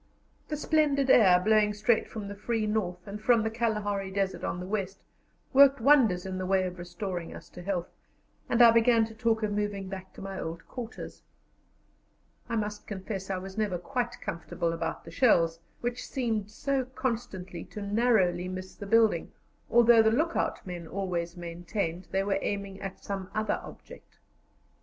The splendid air blowing straight from the free north and from the Kalahari Desert on the west worked wonders in the way of restoring us to health, and I began to talk of moving back to my old quarters. I must confess I was never quite comfortable about the shells, which seemed so constantly to narrowly miss the building, although the look out men always maintained they were aiming at some other object.